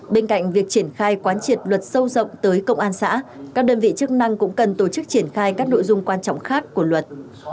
bên cạnh việc triển khai quán triệt luật sâu rộng tới công an xã các đơn vị chức năng cũng cần tổ chức triển khai các nội dung quan trọng khác của luật